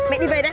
mẹ đi về đây